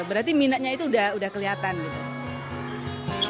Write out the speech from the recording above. berarti minatnya itu udah kelihatan gitu